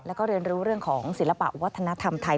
แล้วก็เรียนรู้เรื่องของศิลปะวัฒนธรรมไทย